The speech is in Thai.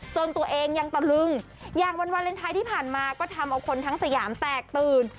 ตัวเองยังตะลึงอย่างวันวาเลนไทยที่ผ่านมาก็ทำเอาคนทั้งสยามแตกตื่น